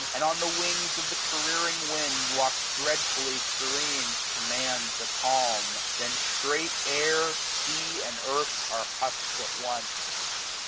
And on the wings of the careering wind Walks dreadfully serene, commands a calm; 200 Then straight air, sea, and earth, are hush'd at once.